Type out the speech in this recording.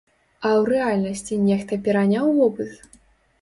А ў рэальнасці нехта пераняў вопыт?